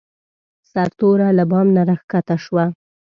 سرتوره له بام نه راکښته شوه.